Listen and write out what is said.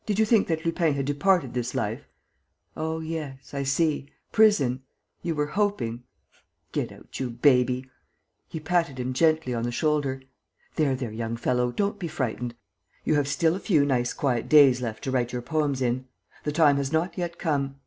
Did you think that Lupin had departed this life? ... Oh, yes, I see, prison. ... You were hoping ... Get out, you baby!" He patted him gently on the shoulder. "There, there, young fellow, don't be frightened: you have still a few nice quiet days left to write your poems in. The time has not yet come.